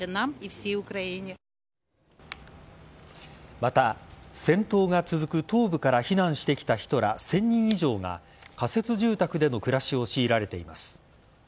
また戦闘が続く東部から避難してきた人ら１０００人以上が仮設住宅での暮らしを強いられています。